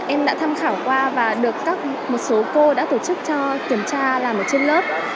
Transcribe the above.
em đã tham khảo qua và được một số cô đã tổ chức cho kiểm tra là một chương lớp